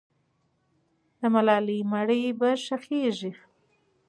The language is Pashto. د ملالۍ مړی به ښخېږي.